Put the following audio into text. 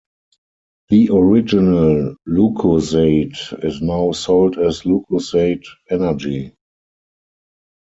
The original Lucozade is now sold as Lucozade Energy.